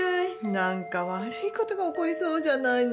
何か悪いことが起こりそうじゃないの。